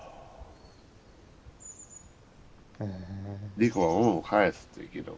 猫は恩を返すっていうけど。